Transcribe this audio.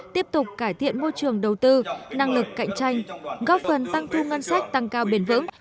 tiếp tục cải thiện môi trường đầu tư năng lực cạnh tranh góp phần tăng thu ngân sách tăng cao bền vững